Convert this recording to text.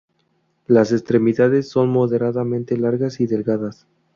Las extremidades son moderadamente largas y delgadas.